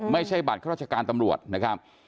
ไม่ใช่บัตรข้าราชการตำรวจนะครับ